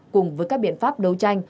cùng với các biện pháp đấu tranh